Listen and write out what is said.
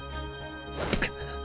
くっ！！